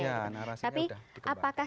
iya narasinya udah dikembangkan